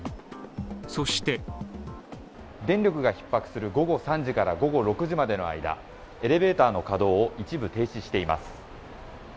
そして電力がひっ迫する午後３時から、午後６時の間エレベーターの稼働を一部停止しています。